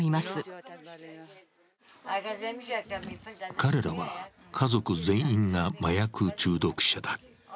彼らは家族全員が麻薬中毒者だ。